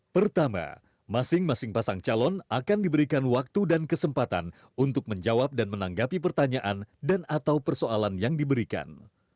pertama masing masing pasang calon akan diberikan waktu dan kesempatan untuk menjawab dan menanggapi pertanyaan dan atau persoalan yang diberikan